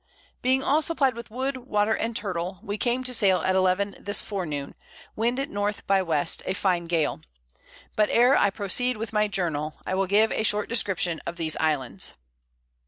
Being all supply'd with Wood, Water, and Turtle, we came to sail at Eleven this Forenoon, Wind at N. by W. a fine Gale; but e'er I proceed with my Journal, I will give a short Description of these Islands.